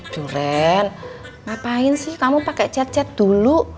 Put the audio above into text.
juren ngapain sih kamu pakai chat chat dulu